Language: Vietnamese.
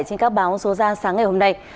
trên các báo số ra sáng ngày hôm nay